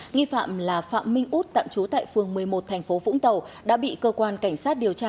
nghi phạm là phạm minh út tạm trú tại phường một mươi một thành phố vũng tàu đã bị cơ quan cảnh sát điều tra